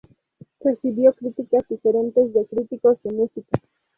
Recibió críticas diferentes de críticos de música.